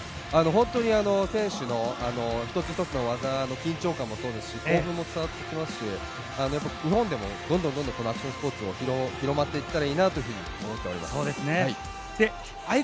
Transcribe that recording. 本当に選手の一つ一つの技、緊張感もそうですし、興奮を伝わってきますし、日本でもどんどんアクションスポーツが広まっていったらいいなと思っております。